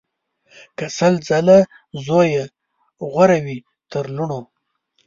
که سل ځله زویه غوره وي تر لوڼو